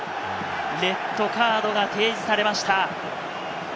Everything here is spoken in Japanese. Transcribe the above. レッドカードが提示されました。